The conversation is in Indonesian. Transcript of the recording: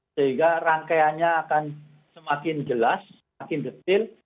sehingga rangkaianya akan semakin jelas semakin detil